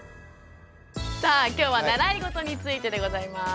さあ今日は「習いごと」についてでございます。